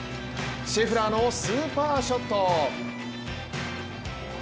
シェフラーのスーパーショット。